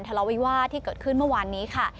ทะเลาวิวาสที่เกิดขึ้นเมื่อวานนี้ค่ะ